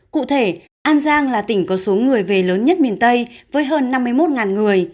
cụ thể an giang là tỉnh có số người về lớn nhất miền tây với hơn năm mươi một người